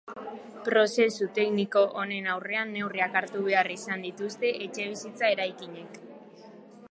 Prozesu tekniko honen aurrean neurriak hartu behar izan dituzte etxebizitza-eraikinek.